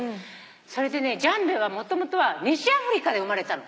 それでねジャンベはもともとは西アフリカで生まれたの。